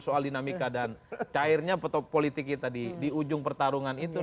soal dinamika dan cairnya politik kita di ujung pertarungan itu